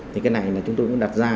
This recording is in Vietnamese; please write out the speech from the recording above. thì cái này chúng tôi đặt ra